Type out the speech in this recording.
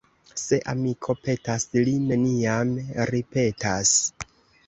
Se amiko petas, li neniam ripetas.